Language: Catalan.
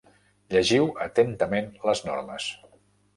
Llegiu atentament les normes.